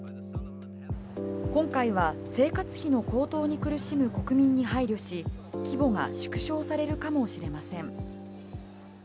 今回は、生活費の高騰に苦しむ国民に配慮し規模が縮小されるかもしれません。